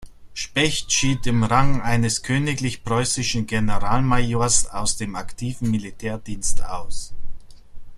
Specht schied im Rang eines königlich preußischen Generalmajors aus dem aktiven Militärdienst aus.